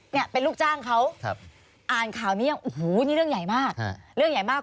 ขนาดเป็นลูกจ้างเขาอ่านข่าวนี้ยังโอ้โหเรื่องใหญ่มาก